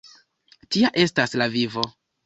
Tia estas la vivo!